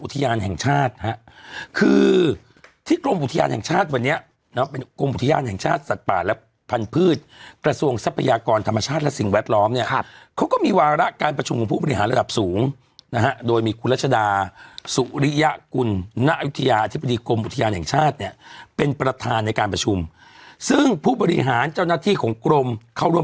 อุทยานแห่งชาติคือที่กรมอุทยานแห่งชาติวันนี้นะเป็นกรมอุทยานแห่งชาติสัตว์ป่าและพันธุ์พืชกระทรวงทรัพยากรธรรมชาติและสิ่งแวดล้อมเนี่ยครับเขาก็มีวาระการประชุมของผู้ปริหารระดับสูงนะฮะโดยมีคุณรัชดาสุริยะกุลนาอุทยาอธิบดีกรมอุทยานแห่งชาติเนี่ยเป็นประธานในการ